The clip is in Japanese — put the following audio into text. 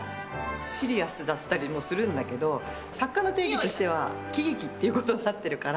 シリアスだったりもするんだけど、作家の定義としては喜劇っていうことになってるから。